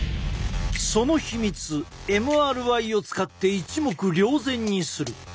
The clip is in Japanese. その秘密ＭＲＩを使って一目瞭然にする。